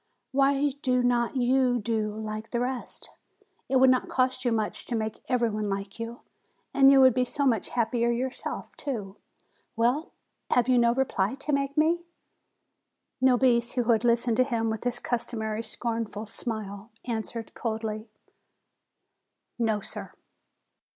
Why do not you do like the rest? It would not cost you much to make every one like you, and you would be so much happier yourself, too! Well, have you no reply to make me?" Nobis, who had listened to him with his customary scornful smile, answered coldly: "No, sir."